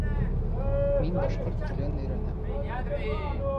Мин башҡорт телен өйрәнәм.